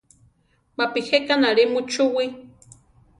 Mapi jéka náli muchúwi.